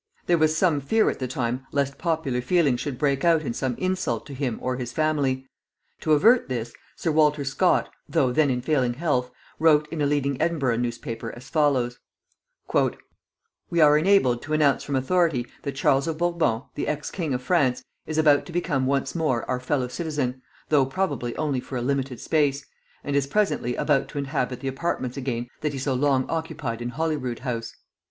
There was some fear at the time lest popular feeling should break out in some insult to him or his family. To avert this, Sir Walter Scott, though then in failing health, wrote in a leading Edinburgh newspaper as follows: "We are enabled to announce from authority that Charles of Bourbon, the ex king of France, is about to become once more our fellow citizen, though probably only for a limited space, and is presently about to inhabit the apartments again that he so long occupied in Holyrood House.